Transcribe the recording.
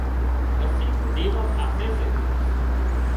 مسي ڪنڍي مان ڦاسي سي